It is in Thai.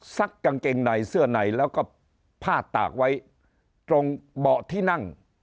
กางเกงในเสื้อในแล้วก็ผ้าตากไว้ตรงเบาะที่นั่ง